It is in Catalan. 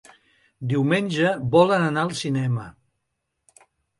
Diumenge volen anar al cinema.